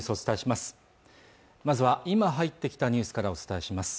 まずは今入ってきたニュースからお伝えします